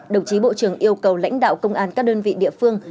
đồng chí bộ trưởng yêu cầu lãnh đạo công an các đơn vị địa phương